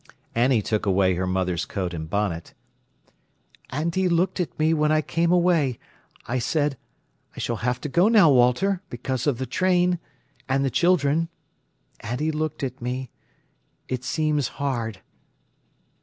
Annie took away her mother's coat and bonnet. "And he looked at me when I came away! I said: 'I s'll have to go now, Walter, because of the train—and the children.' And he looked at me. It seems hard."